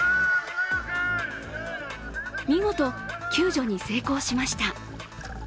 見事、救助に成功しました。